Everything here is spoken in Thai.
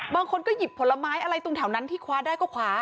บางคนก็หยิบผลไม้อะไรตรงแถวนั้นที่คว้าได้ก็คว้า